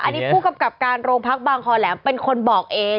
อันนี้ผู้กำกับการโรงพักบางคอแหลมเป็นคนบอกเอง